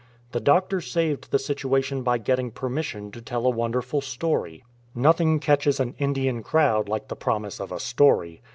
The doctor saved the situation by getting permission to tell a wonderful story. Nothing catches an Indian crowd like the promise of a story.